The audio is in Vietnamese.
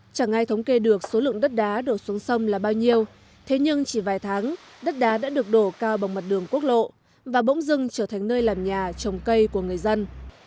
chẳng ai thống kê được số lượng đất đá đổ xuống sông là bao nhiêu thế nhưng chỉ vài tháng đất đá đã được đổ cao bằng mặt đường quốc lộ và bỗng dưng trở thành nơi làm nhà trồng cây của người dân